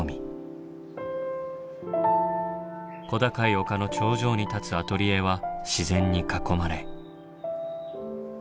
小高い丘の頂上に立つアトリエは自然に囲まれ。